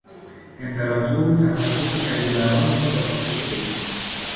امپراطور توسط کدیوران خود احاطه شده بود.